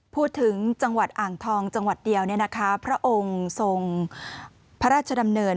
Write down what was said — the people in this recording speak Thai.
พูดถึงจังหวัดอ่างทองจังหวัดเดียวพระองค์ทรงพระราชดำเนิน